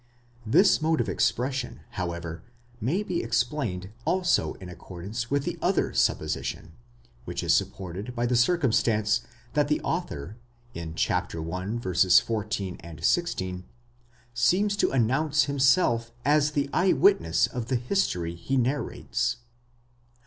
'* This mode of expression, however, may be explained also in accordance with the other supposition,!* which is supported by the circumstance that the author in 1. 14, 16, seems to announce himself as the eye witness of the history he narrates.